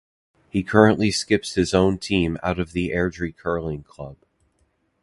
He currently skips his own team out of the Airdrie Curling Club.